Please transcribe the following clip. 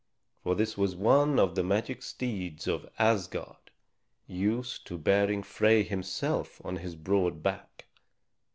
For this was one of the magic steeds of Asgard, used to bearing Frey himself on his broad back.